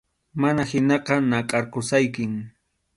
Mana hinaqa, nakʼarqusaykim.